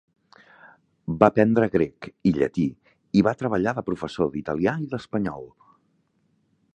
Va aprendre grec i llatí i va treballar de professor d'italià i d'espanyol.